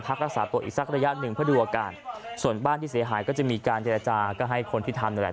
รักษาตัวอีกสักระยะหนึ่งเพื่อดูอาการส่วนบ้านที่เสียหายก็จะมีการเจรจาก็ให้คนที่ทำนั่นแหละ